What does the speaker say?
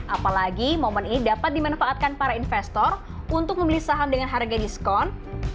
apalagi momen ini dapat dimanfaatkan para investor untuk membeli saham dengan harga diskon